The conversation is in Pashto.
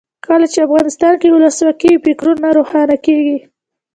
کله چې افغانستان کې ولسواکي وي فکرونه روښانه کیږي.